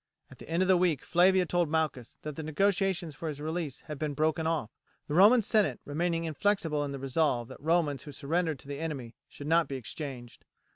At the end of the week Flavia told Malchus that the negotiations for his release had been broken off, the Roman senate remaining inflexible in the resolve that Romans who surrendered to the enemy should not be exchanged.